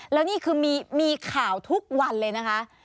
แล้วนี่คือมีข่าวทุกวันเลยนะคะ